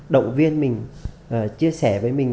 động viên mình chia sẻ với mình